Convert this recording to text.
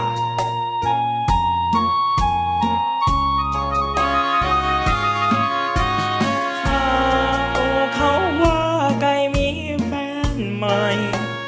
ภาพเขาว่าใกล้มีแฟนใหม่